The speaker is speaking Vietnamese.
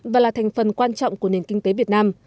và là thành phần quan trọng của nền kinh tế việt nam